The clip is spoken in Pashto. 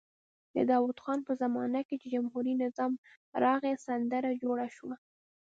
د داود خان په زمانه کې چې جمهوري نظام راغی سندره جوړه شوه.